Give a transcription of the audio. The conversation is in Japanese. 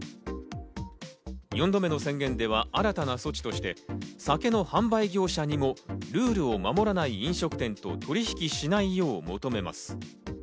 ４度目の宣言では新たな措置として、酒の販売業者にもルールを守らない飲食店と取引しないよう求めます。